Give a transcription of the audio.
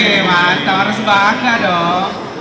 eh bangga gak jadi